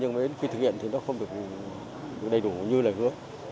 nhưng mà khi thực hiện thì nó không được đầy đủ như là hứa